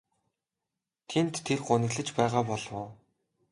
Тэнд тэр гуниглаж байгаа болов уу?